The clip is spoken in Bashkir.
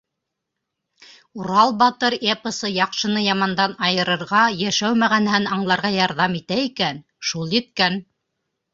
«Урал батыр» эпосы яҡшыны ямандан айырырға, йәшәү мәғәнәһен аңларға ярҙам итә икән — шул еткән.